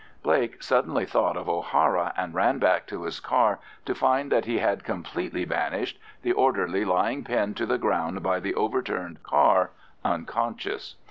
Blake suddenly thought of O'Hara, and ran back to his car to find that he had completely vanished, the orderly lying pinned to the ground by the overturned car, unconscious.